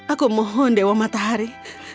aku mohon tuhan matahari